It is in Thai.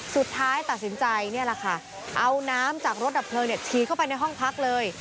สุดท้ายตัดสินใจนี่แหละค่ะเอาน้ำจากรถดับเพลิงฉีดเข้าไปในห้องพักเลย